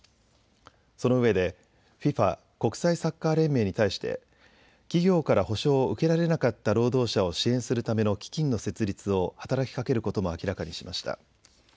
そのうえでＦＩＦＡ・国際サッカー連盟に対して企業から補償を受けられなかった労働者を支援するための基金の設立を働きかけることも明らかにしました。